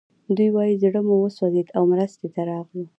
دوی وايي زړه مو وسوځېد او مرستې ته راغلو